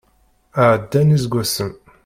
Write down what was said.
Ɛeddan iseggasen.